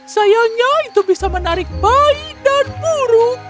sayangnya itu bisa menarik bayi dan burung